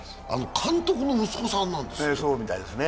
監督の息子さんなんですね。